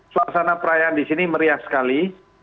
suasana perayaan di sini meriah sekali